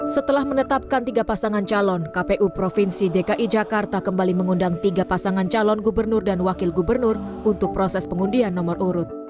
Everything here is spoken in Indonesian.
setelah menetapkan tiga pasangan calon kpu provinsi dki jakarta kembali mengundang tiga pasangan calon gubernur dan wakil gubernur untuk proses pengundian nomor urut